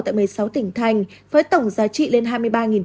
tại một mươi sáu tỉnh thành với tổng giá trị lên hai mươi ba tỷ đồng